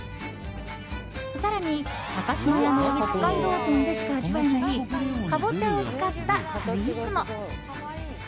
更に、高島屋の北海道展でしか味わえないカボチャを使ったスイーツも。